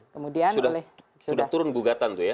sudah turun gugatan tuh ya